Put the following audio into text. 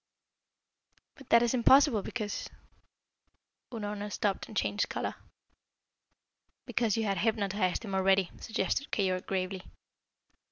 "But that is impossible, because " Unorna stopped and changed colour. "Because you had hypnotised him already," suggested Keyork gravely.